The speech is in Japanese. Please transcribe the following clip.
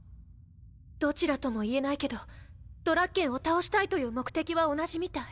どちらとも言えないけどドラッケンを倒したいという目的は同じみたい。